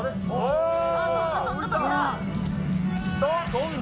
飛んだ！